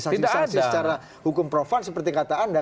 jadi tidak ada mungkin saksi saksi secara hukum profan seperti kata anda